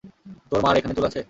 তোর মার এখানে চুল আছে?